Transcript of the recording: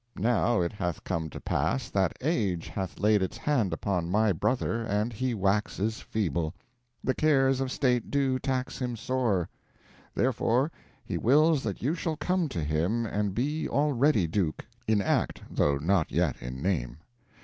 "Now it hath come to pass that age hath laid its hand upon my brother, and he waxes feeble. The cares of state do tax him sore. Therefore he wills that you shall come to him and be already Duke in act, though not yet in name.